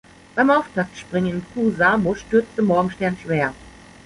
Beim Auftaktspringen in Kuusamo stürzte Morgenstern schwer.